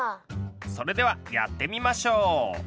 それではやってみましょう。